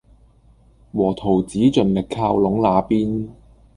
和桃子盡力靠攏那邊